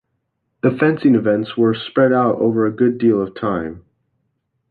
The fencing events were spread out over a good deal of time.